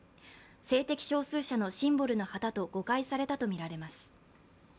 性的少数者のシンボルの旗と誤解されたとみられます。